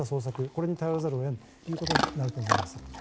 これに頼らざるを得ないということになると思います。